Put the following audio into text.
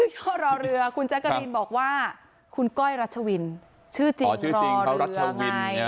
ช่อรอเรือคุณแจ๊กกะรีนบอกว่าคุณก้อยรัชวินชื่อจริงรอเรือไง